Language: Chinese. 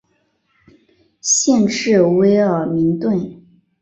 县治威尔明顿。